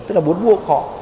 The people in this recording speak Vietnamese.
tức là muốn mua cũng khó